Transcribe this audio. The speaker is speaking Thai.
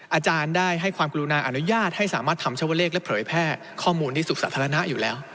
อาจารย์ได้ให้ความกรุณาอนุญาตให้สามารถทำชาวเลขและเผยแพร่ข้อมูลที่สุขสาธารณะอยู่แล้ว